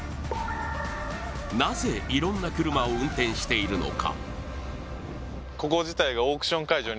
なぜいろんな車を運転しているのか。